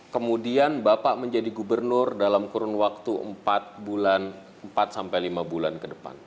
kemudian bapak menjadi gubernur dalam kurun waktu empat lima bulan ke depan